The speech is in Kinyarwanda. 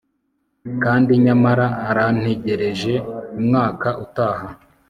kandi nyamara arantegereje, umwaka utaha